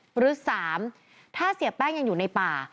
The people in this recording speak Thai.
หรือ๓ถ้าเสียแป้งยังอยู่ในป่า